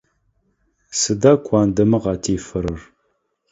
Сыда куандэмэ къатефэрэр?